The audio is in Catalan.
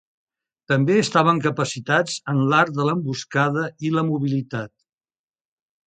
També estaven capacitats en l'art de l'emboscada i la mobilitat.